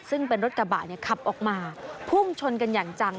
ซึ่งเป็นรถกระบะขับออกมาพุ่งชนกันอย่างจัง